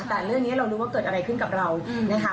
แต่เรื่องนี้เรานึกว่าเกิดอะไรขึ้นกับเรานะคะ